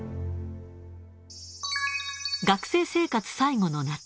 学生生活最後の夏。